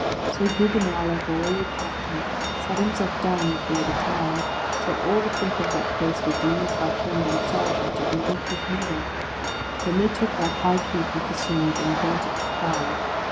So Gugemar, like a wary captain, sat himself down before the town, till all the folk of that place were deemed by friend and sergeant to be weak with hunger. Then they took that high keep with the sword, and burnt it with fire.